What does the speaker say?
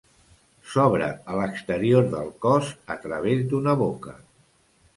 S'obre a l'exterior del cos a través d'una boca.